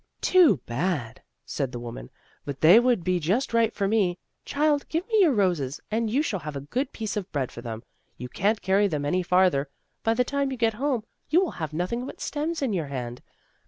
"Too bad," said the woman, "but they would be just right for me. Child, give me your roses and you shall have a good piece of bread for them. You can't carry them any farther. By the time you get home you will have nothing but stems in your hand.